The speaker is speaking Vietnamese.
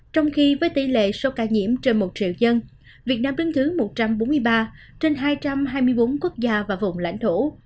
trong khi với tỷ lệ số ca nhiễm trên một triệu dân việt nam đứng thứ một trăm bốn mươi ba trên hai trăm hai mươi bốn quốc gia và vùng lãnh thổ